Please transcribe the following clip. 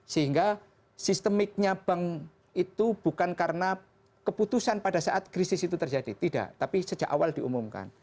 sehingga sistemiknya bank itu bukan karena keputusan pada saat krisis itu terjadi tidak tapi sejak awal diumumkan